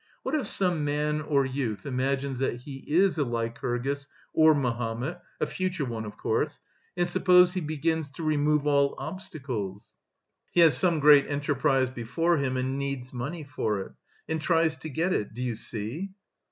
What if some man or youth imagines that he is a Lycurgus or Mahomet a future one of course and suppose he begins to remove all obstacles.... He has some great enterprise before him and needs money for it... and tries to get it... do you see?"